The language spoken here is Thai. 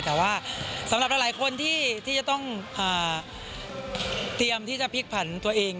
แต่ว่าสำหรับหลายคนที่จะต้องเตรียมที่จะพลิกผันตัวเอง